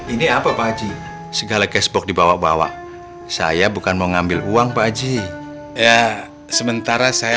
ini apa pak haji segala cashbox dibawa bawa saya bukan mau ngambil uang pak haji ya sementara saya